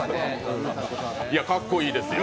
かっこいいですよ